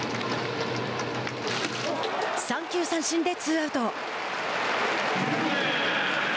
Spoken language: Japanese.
三球三振でツーアウト。